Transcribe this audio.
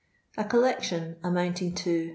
A collection amounting to 6